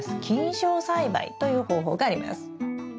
菌床栽培という方法があります。